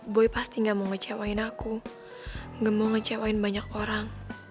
boy pasti gak mau ngecewain aku gak mau ngecewain banyak orang